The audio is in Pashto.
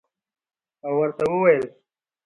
او ورته ووېل